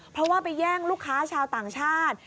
เพราะว่าไปแย่งลูกค้าชาวต่างชาติ